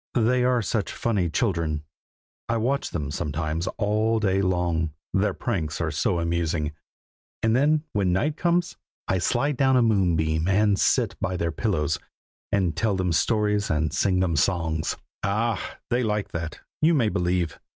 They are such funny children! I watch them sometimes all day long, their pranks are so amusing; and then when night comes, I slide down a moonbeam and sit by their pillows, and tell them stories and sing them songs. Ah! they like that, you may believe!